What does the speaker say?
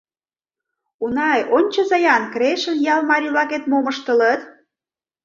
Унай, ончыза-ян, Крешын ял марий-влакет мом ыштылыт!..